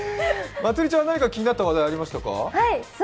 まつりちゃんは何か気になった話題ありましたか？